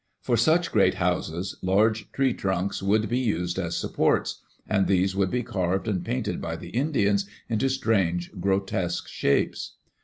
For such great houses large tree trunks would be used as supports, and these would be carved and painted by the Indians into strange, grotesque shapes.